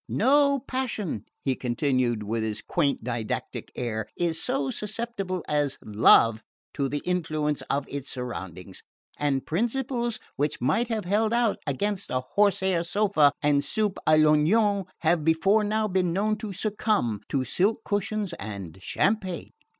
No passion," he continued, with his quaint didactic air, "is so susceptible as love to the influence of its surroundings; and principles which might have held out against a horse hair sofa and soupe a l'oignon have before now been known to succumb to silk cushions and champagne."